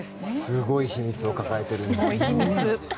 すごい秘密を抱えてるんです。